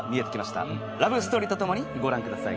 ラブストーリーとともにご覧ください。